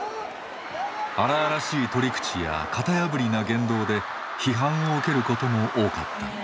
荒々しい取り口や型破りな言動で批判を受けることも多かった。